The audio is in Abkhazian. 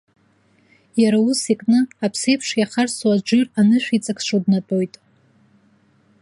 Иара ус икны, аԥсеиԥш иахарсу аџыр анышә иҵакшо днатәоит.